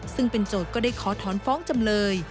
ซึ่งเป็นโจทย์ก็ได้ขอถอนฟ้องจำเลย